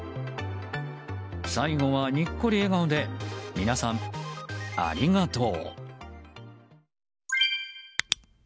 最後はニッコリ笑顔で皆さん、ありがとう。